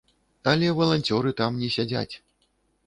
Але валанцёры там не сядзяць.